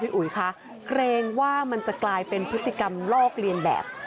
อุ๋ยค่ะเกรงว่ามันจะกลายเป็นพฤติกรรมลอกเลียนแบบ